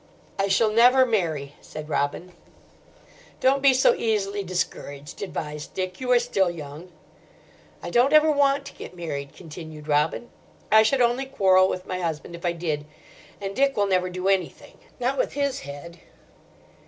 "I shall never marry," said Robin. "Don't be so easily discouraged," advised Dick; "you are still young." "I don't ever want to get married," continued Robin. "I should only quarrel with my husband, if I did. And Dick will never do anything—not with his head."